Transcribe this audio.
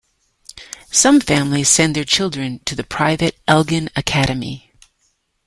Some families send their children to the private Elgin Academy.